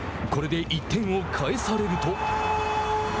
これで１点を返されると。